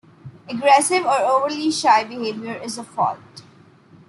Aggressive or overly shy behavior is a fault.